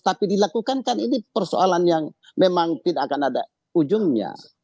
tapi dilakukan kan ini persoalan yang memang tidak akan ada ujungnya